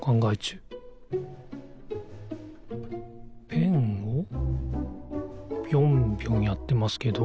ペンをぴょんぴょんやってますけど。